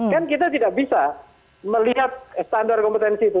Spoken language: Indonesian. kan kita tidak bisa melihat standar kompetensi itu